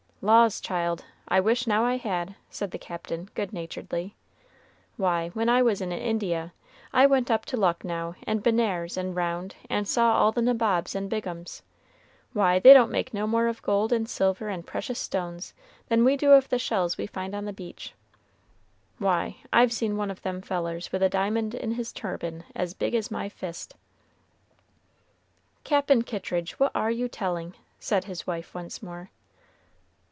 "Laws, child, I wish now I had," said the Captain, good naturedly. "Why, when I was in India, I went up to Lucknow, and Benares, and round, and saw all the Nabobs and Biggums, why, they don't make no more of gold and silver and precious stones than we do of the shells we find on the beach. Why, I've seen one of them fellers with a diamond in his turban as big as my fist." "Cap'n Kittridge, what are you telling?" said his wife once more.